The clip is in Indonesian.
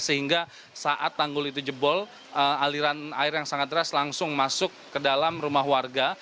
sehingga saat tanggul itu jebol aliran air yang sangat deras langsung masuk ke dalam rumah warga